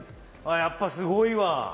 やっぱすごいわ！